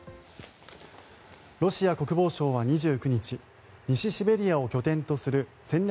ロシア国防省は２９日西シベリアを拠点とする戦略